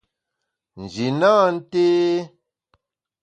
Nji nâ nté.